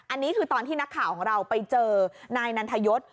อันนี้คือตอนที่นักข่าวของเราไปเจอนายนันทยศ